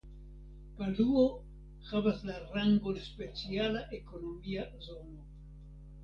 Paluo havas la rangon speciala ekonomia zono.